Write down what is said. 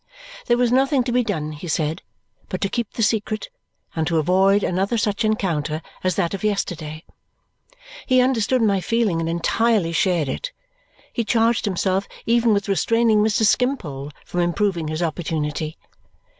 There was nothing to be done, he said, but to keep the secret and to avoid another such encounter as that of yesterday. He understood my feeling and entirely shared it. He charged himself even with restraining Mr. Skimpole from improving his opportunity.